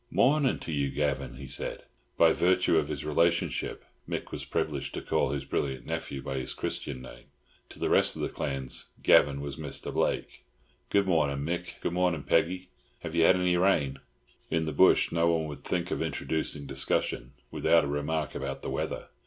"Mornin' to you, Gavan," he said. By virtue of his relationship Mick was privileged to call his brilliant nephew by his Christian name. To the rest of the clans Gavan was Mr. Blake. "Good morning, Mick. Good morning, Peggy. Have you had any rain?" In the bush no one would think of introducing discussion without a remark about the weather.